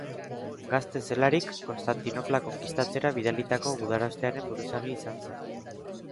Gazte zelarik, Konstantinopla konkistatzera bidalitako gudarostearen buruzagi izan zen.